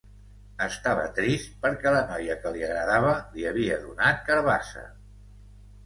Estava trist perquè la noia que li agradava li havia donat carabassa